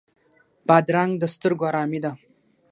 بادرنګ د سترګو آرامي ده.